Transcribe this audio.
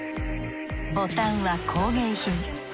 ボタンは工芸品。